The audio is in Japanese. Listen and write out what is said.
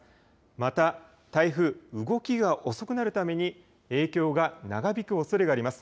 また台風、動きが遅くなるために影響が長引くおそれがあります。